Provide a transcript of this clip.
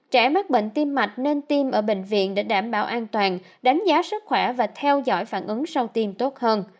trẻ mắc bệnh tim mạch nên tim ở bệnh viện để đảm bảo an toàn đánh giá sức khỏe và theo dõi phản ứng sau tiêm tốt hơn